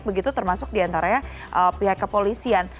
begitu termasuk diantaranya pihak kepolisian